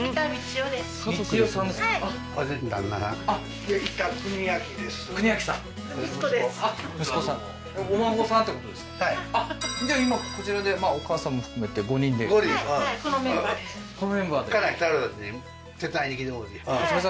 はいじゃあ今こちらでお母さんも含めて５人ではいはいこのメンバーです